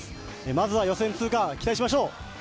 まずは予選通過、期待しましょう。